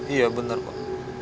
iya bener pak